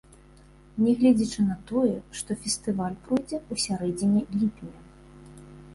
Нягледзячы на тое, што фестываль пройдзе ў сярэдзіне ліпеня.